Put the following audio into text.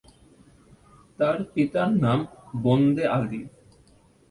তার পিতার নাম বন্দে আলী।